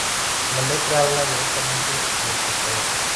La letra habla directamente al espectador.